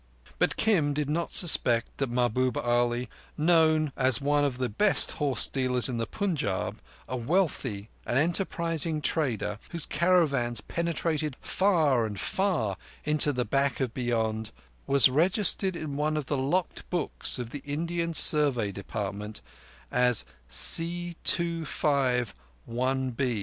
But Kim did not suspect that Mahbub Ali, known as one of the best horse dealers in the Punjab, a wealthy and enterprising trader, whose caravans penetrated far and far into the Back of Beyond, was registered in one of the locked books of the Indian Survey Department as C25 IB.